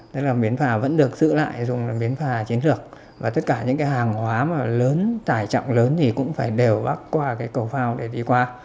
tức là bến phà vẫn được giữ lại dùng là bến phà chiến lược và tất cả những cái hàng hóa mà lớn tải trọng lớn thì cũng phải đều bắt qua cái cầu phao để đi qua